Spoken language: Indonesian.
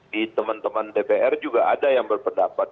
di teman teman dpr juga ada yang berpendapat